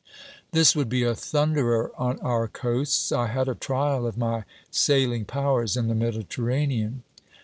'This would be a thunderer on our coasts. I had a trial of my sailing powers in the Mediterranean.'